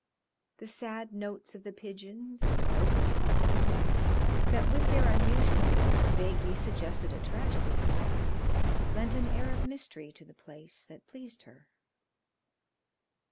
The sad notes of the pigeons and the broken palms, that with their unusualness vaguely suggested a tragedy, lent an air of mystery to the place that pleased her.